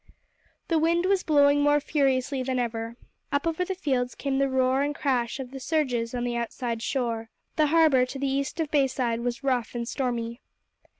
The wind was blowing more furiously than ever. Up over the fields came the roar and crash of the surges on the outside shore. The Harbour to the east of Bayside was rough and stormy.